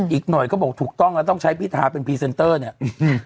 อีกหน่อยก็บอกถูกต้องแล้วต้องใช้พิธาเป็นพรีเซนเตอร์เนี้ยอืม